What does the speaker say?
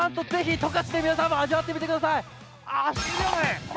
十勝でぜひ皆さんも味わってみてください。